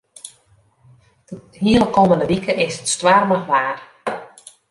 De hiele kommende wike is it stoarmich waar.